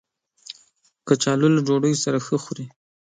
کچالو له ډوډۍ سره ښه خوري